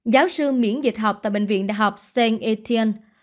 giáo sư miễn dịch học tại bệnh viện đại học saint étienne